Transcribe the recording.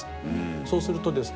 そうするとですね